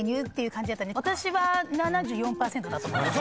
私は「７４％」だと思いました。